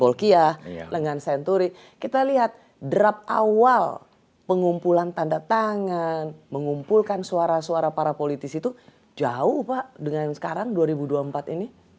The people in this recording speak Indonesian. kita lihat draft awal pengumpulan tanda tangan mengumpulkan suara suara para politisi itu jauh pak dengan sekarang dua ribu dua puluh empat ini